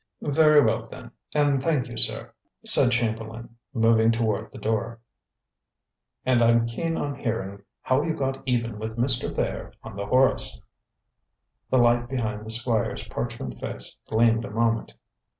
"Very well, then, and thank you, sir," said Chamberlain, moving toward the door. "And I'm keen on hearing how you got even with Mr. Thayer on the Horace." The light behind the squire's parchment face gleamed a moment.